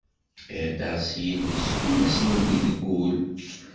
Iheddeṛ s yiles ur as-nelli deg ul.